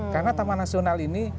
karena taman nasional ini